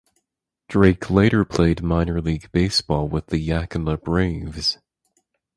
Drake later played minor league baseball with the Yakima Braves.